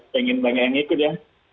pengen banyak yang ikut ya